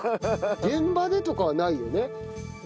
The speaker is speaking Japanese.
現場でとかはないよね？